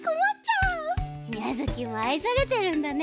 ミャヅキもあいされてるんだね！